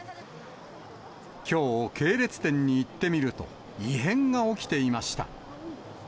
きょう、系列店に行ってみると、異変が起きていました。